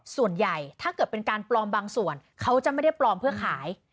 ถ้าเกิดเป็นการปลอมบางส่วนเขาจะไม่ได้ปลอมเพื่อขาย